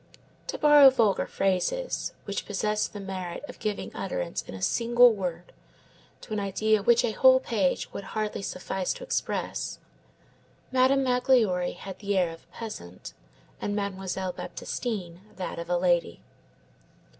To borrow vulgar phrases, which possess the merit of giving utterance in a single word to an idea which a whole page would hardly suffice to express, Madame Magloire had the air of a peasant, and Mademoiselle Baptistine that of a lady.